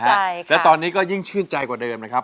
ชื่นใจครับและตอนนี้ก็ยิ่งชื่นใจกว่าเดิมนะครับ